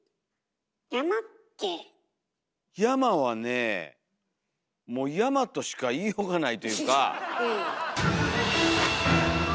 山はねもう山としか言いようがないというか。